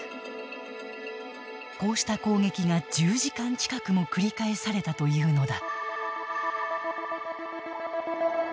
こうした攻撃が１０時間近くも繰り返されたというのだ。